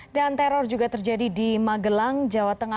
dan teror juga terjadi di magelang jawa tengah